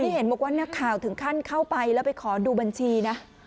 เห็นบอกว่านักข่าวถึงขั้นเข้าไปแล้วไปขอดูบัญชีนะ